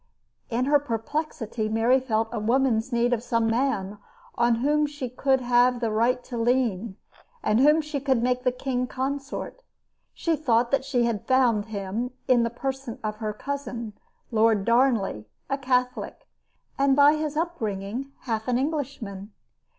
In her perplexity Mary felt a woman's need of some man on whom she would have the right to lean, and whom she could make king consort. She thought that she had found him in the person of her cousin, Lord Darnley, a Catholic, and by his upbringing half an Englishman.